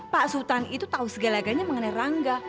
pak sultan itu tau segala galanya mengenai rangga